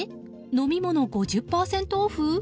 飲み物５０％オフ？